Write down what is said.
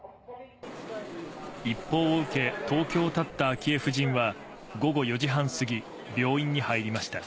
一報を受け東京をたった昭恵夫人は午後４時半過ぎ、病院に入りました。